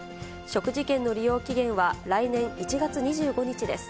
食事券の利用期限は来年１月２５日です。